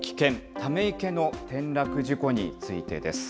ため池の転落事故についてです。